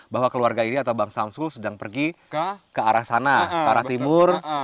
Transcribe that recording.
bahwa keluarga ini atau bang samsul sedang pergi ke arah sana ke arah timur